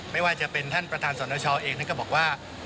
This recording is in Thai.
ไม่ว่าจะเป็นท่านประธานสนชเองท่านก็บอกว่า